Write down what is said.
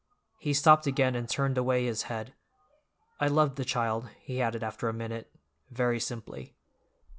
He stopped again and turned away his head. "I loved the child," he added after a minute, very simply.